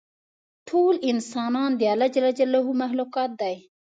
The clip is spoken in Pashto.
ټول انسانان د الله مخلوقات دي.